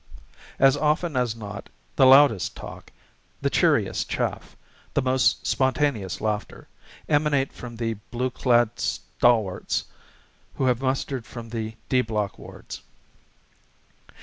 As often as not, the loudest talk, the cheeriest chaff, the most spontaneous laughter, emanate from the blue clad stalwarts who have mustered from the "D" Block wards.